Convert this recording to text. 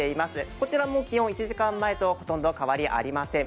こちらも気温、１時間前とほとんど変わりありません。